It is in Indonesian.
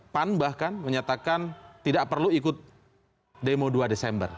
pan bahkan menyatakan tidak perlu ikut demo dua desember